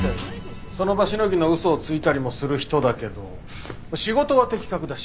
その場しのぎの嘘をついたりもする人だけど仕事は的確だし。